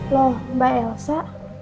loh mbak elsa